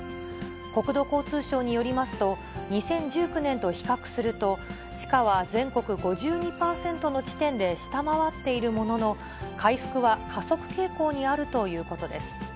国土交通省によりますと、２０１９年と比較すると、地価は全国５２％の地点で下回っているものの、回復は加速傾向にあるということです。